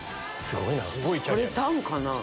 これタンかな？